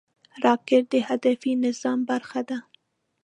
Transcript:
راکټ د هدفي نظام برخه ده